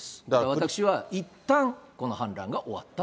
私はいったん、この反乱が終わったと。